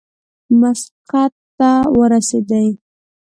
مسقط ته ورسېدی.